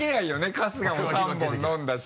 春日も３本飲んだし。